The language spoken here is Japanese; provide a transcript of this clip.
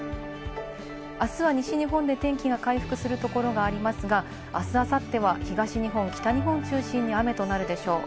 あすは西日本で天気が回復するところがありますが、あす、あさっては東日本、北日本を中心に雨となるでしょう。